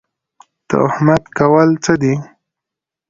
تهمت کول څه دي؟